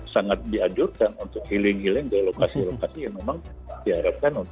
sangat dianjurkan untuk healing healing ke lokasi lokasi yang memang diharapkan